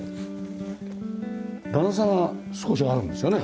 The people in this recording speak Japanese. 段差が少しあるんですかね？